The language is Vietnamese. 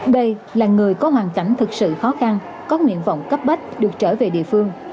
đây là người có hoàn cảnh thực sự khó khăn có nguyện vọng cấp bách được trở về địa phương